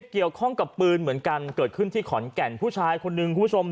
เกี่ยวข้องกับปืนเหมือนกันเกิดขึ้นที่ขอนแก่นผู้ชายคนหนึ่งคุณผู้ชม